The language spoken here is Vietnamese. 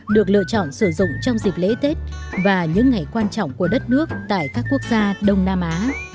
được lựa chọn sử dụng trong dịp lễ tết và những ngày quan trọng của đất nước tại các quốc gia đông nam á